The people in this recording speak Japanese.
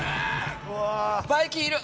バイキンいる！